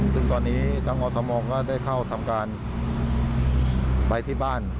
ซึ่งตอนนี้ทางอสมก็ได้เข้าทำการไปที่บ้าน